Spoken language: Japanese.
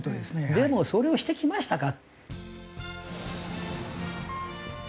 でもそれをしてきましたか？